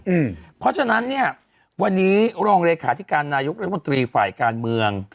อืมเพราะฉะนั้นเนี้ยวันนี้โรงเลขาที่การนายกรัฐบนตรีไฟการเมือง